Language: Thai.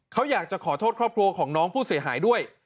เขาอยากจะขอโทษครอบครัวของน้องผู้เสียหายด้วย